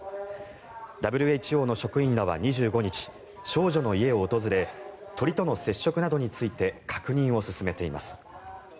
ＷＨＯの職員らは２５日少女の家を訪れ鳥との接触などについて確認を進めています。